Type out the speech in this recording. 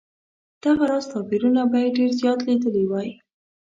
دغه راز توپیرونه به یې ډېر زیات لیدلي وای.